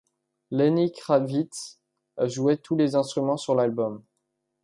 Lenny Kravitz a joué tous les instruments sur l'album.